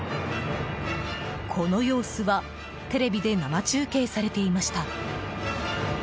この様子はテレビで生中継されていました。